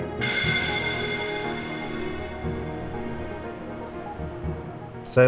yang klasifikasinya seperti pak nino